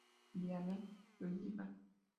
Diane Sullivan.